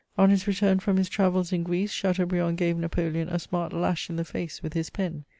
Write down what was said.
On his return from his travels in Greece, Chateaubriand gave Napoleon a smart lash in the face with his pen.